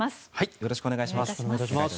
よろしくお願いします。